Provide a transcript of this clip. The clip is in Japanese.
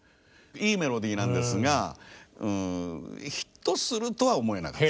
いいメロディーなんですがヒットするとは思えなかった。